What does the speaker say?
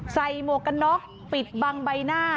หมวกกันน็อกปิดบังใบหน้า